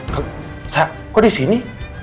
kak saya aku disini